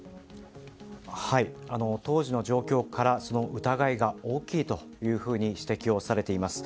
当時の状況からその疑いが大きいと指摘されています。